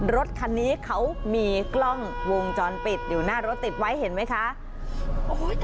รถคันนี้เขามีกล้องวงจรปิดอยู่หน้ารถติดไว้เห็นไหมคะ